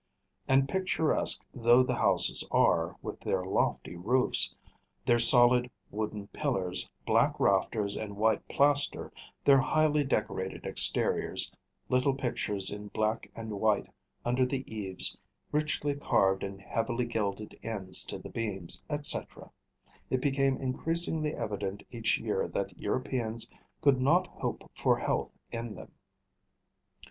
And picturesque though the houses are, with their lofty roofs, their solid wooden pillars, black rafters, and white plaster, their highly decorated exteriors, little pictures in black and white under the eaves, richly carved and heavily gilded ends to the beams, etc., it became increasingly evident each year that Europeans could not hope for health in them.